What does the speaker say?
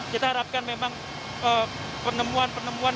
kita harapkan memang penemuan penemuan